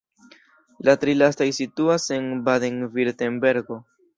La tri lastaj situas en Baden-Virtembergo.